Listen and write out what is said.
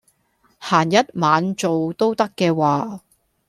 閒日晚做都得嘅話